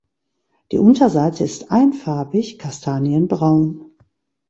Die Unterseite ist einfarbig kastanienbraun.